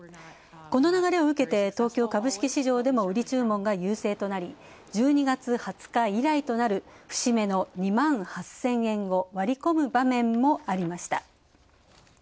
この流れを受けて東京株式市場でも売り注文が優勢となり１２月２０日以来となる節目の２万８０００円を割り込む場面もありました。